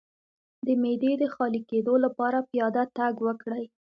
د معدې د خالي کیدو لپاره پیاده تګ وکړئ